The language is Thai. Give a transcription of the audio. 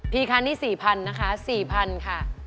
พี่ครับนี่๔พันพันค่ะ